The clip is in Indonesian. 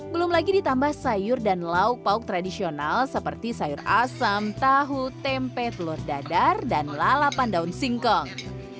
belum lagi ditambah sayur dan lauk pauk tradisional seperti sayur asam tahu tempe telur dadar dan lalapan daun singkong